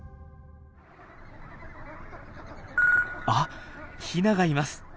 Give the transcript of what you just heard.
あっヒナがいます！